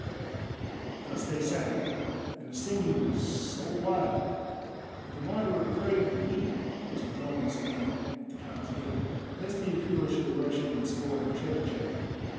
Thus they sang, and the singing was so wild that the Wanderer craved leave to go and stand at the Palace gate, lest the Apura should rush in and spoil the treasure chamber.